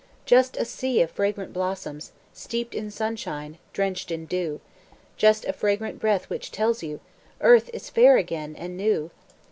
Just a sea of fragrant blossoms, Steeped in sunshine, drenched in dew, Just a fragrant breath which tells you Earth is fair again and new.